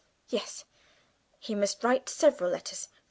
Yes, he must write several letters.